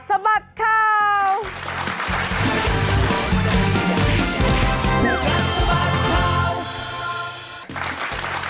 สวัสดิ์ค่าว